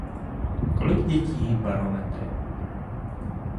Kolik dětí jí barometry?